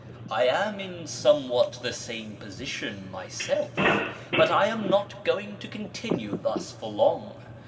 I am in somewhat the same position my self, but I am not going to continue thus for long.